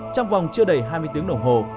trong vòng chưa đầy hai mươi tiếng đồng hồ